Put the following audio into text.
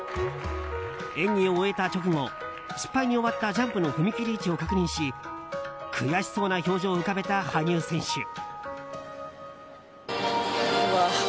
演技を終えた直後失敗に終わったジャンプの踏み切り位置を確認し悔しそうな表情を浮かべた羽生選手。